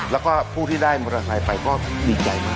แล้วก็ผู้ที่ได้มาราคาถ่ายไปก็ดีใจมาก